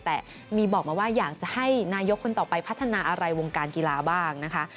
แต่มีบอกมาว่าอยากจะให้นายกคนต่อไปพัฒนาอะไรวงการกีฬาบ้างนะคะ